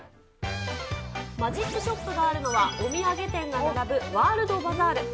マジックショップがあるのは、お土産店が並ぶワールドバザール。